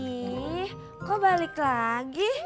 ih kok balik lagi